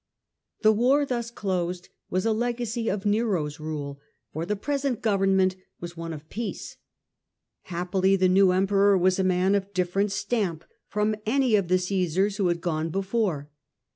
The war thus closed was a legacy of Nero's rule, for the present government was one of peace. Happily the new Emperor was a man of different stamp from any of the Caesars who had gone before.